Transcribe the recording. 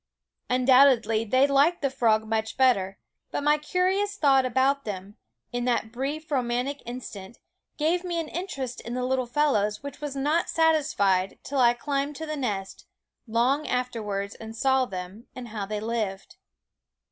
Undoubtedly they liked the frog much better ; but my curious thought about them, in that brief romantic instant, gave me an interest in the little fellows which was not satisfied till I climbed to the nest, long after wards, and saw them, and how they lived.